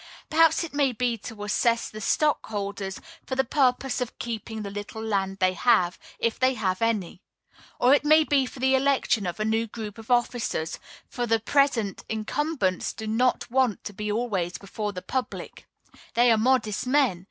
Perhaps it may be to assess the stockholders for the purpose of keeping the little land they have, if they have any. Or it may be for the election of a new group of officers, for the present incumbents do not want to be always before the public. They are modest men.